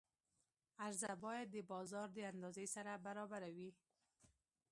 عرضه باید د بازار د اندازې سره برابره وي.